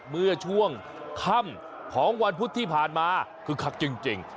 เมื่อช่วงค่ำของวันพุธที่ผ่านมาคึกคักจริง